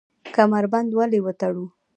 کمربند ولې وتړو؟